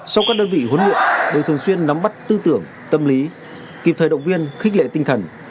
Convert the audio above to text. sau các đơn vị huấn luyện đều thường xuyên nắm bắt tư tưởng tâm lý kịp thời động viên khích lệ tinh thần